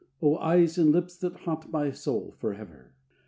O eyes and lips, that haunt my soul forever!